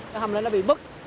cái hầm đó nó bị bức